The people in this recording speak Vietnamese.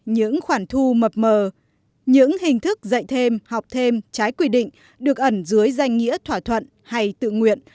những khoản thu mập mờ những hình thức dạy thêm học thêm trái quy định được ẩn dưới danh nghĩa thỏa thuận hay tự nguyện